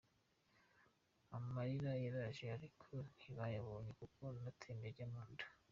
Amarira yaraje ariko ntibayabonye kuko yatembye ajya mu nda.